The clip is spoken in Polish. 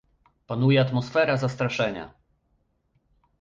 Panuje atmosfera zastraszenia